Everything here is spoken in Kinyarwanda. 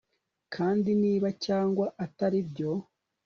Kandi niba cyangwa atari byo